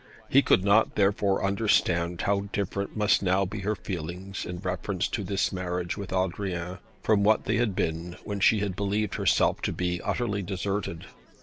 He could not, therefore, understand how different must now be her feelings in reference to this marriage with Adrian, from what they had been when she had believed herself to be utterly deserted.